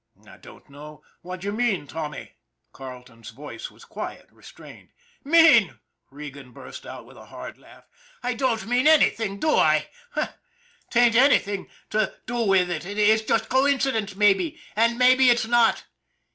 " I don't know what you mean, Tommy," Carle ton's voice was quiet, restrained. " Mean !" Regan burst out, with a hard laugh. " I don't mean anything, do I? 'Tain't anything to do 166 ON THE IRON AT BIG CLOUD with it, it's just coincidence, mabbe, and mabbe it's not.